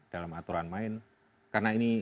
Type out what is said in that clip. dalam aturan main karena ini